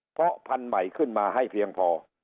เพราะพันธุ์ใหม่ขึ้นมาให้เพียงพอ